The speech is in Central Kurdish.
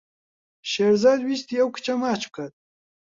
شێرزاد ویستی ئەو کچە ماچ بکات.